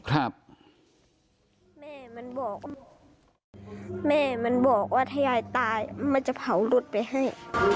แม่มันบอกแม่มันบอกว่าถ้ายายตายมันจะเผารถไปให้